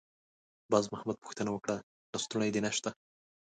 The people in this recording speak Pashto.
باز محمد پوښتنه وکړه: «لستوڼی دې نشته؟»